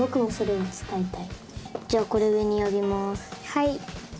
はい。